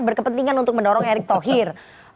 berkepentingan untuk mendorong erick thohir